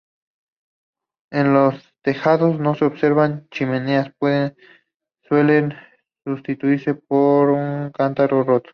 En los tejados no se observan chimeneas pues suelen sustituirse por un cántaro roto.